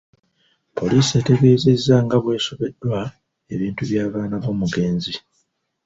Poliisi etegeezezza nga bw'esobeddwa ebintu by'abaana b'omugenzi.